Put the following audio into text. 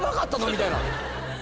みたいな。